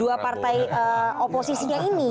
dua partai oposisinya ini